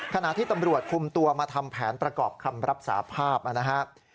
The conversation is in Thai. ขณะที่ตำรวจคุมตัวมาทำแผนประกอบคำรับสาภาพนะครับ